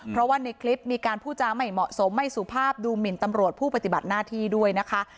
เพราะว่าในคลิปมีการพูดจาไม่เหมาะสมไม่สุภาพดูหมินตำรวจผู้ปฏิบัติหน้าที่ด้วยนะคะ